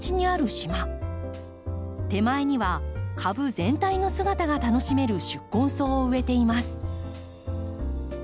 手前には株全体の姿が楽しめる宿根草を植えています。